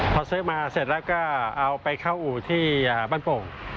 พอซื้อมาเสร็จแล้วก็เอาไปเข้าอู่ที่บ้านโป่ง